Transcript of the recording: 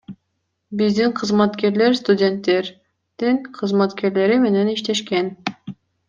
Биздин кызматкерлер студенттер, дин кызматкерлери менен иштешкен.